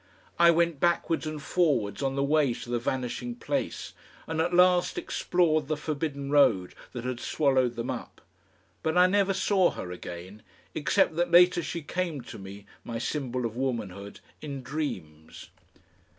I went backwards and forwards on the way to the vanishing place, and at last explored the forbidden road that had swallowed them up. But I never saw her again, except that later she came to me, my symbol of womanhood, in dreams.